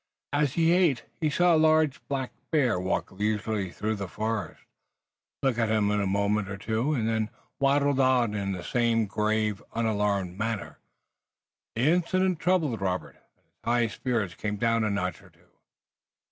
As he ate he saw a large black bear walk leisurely through the forest, look at him a moment or two, and then waddle on in the same grave, unalarmed manner. The incident troubled Robert, and his high spirits came down a notch or two.